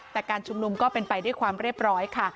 แต่การชุมนุมก็เป็นไปด้วยความเรียบร้อยค่ะ